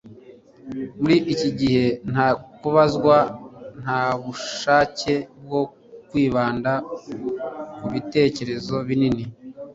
muri iki gihe nta kubazwa nta bushake bwo kwibanda ku bitekerezo binini